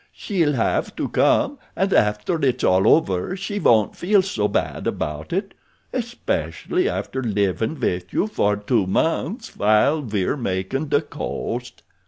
She'll have to come, and after it's all over she won't feel so bad about it—especially after livin' with you for two months while we're makin' the coast."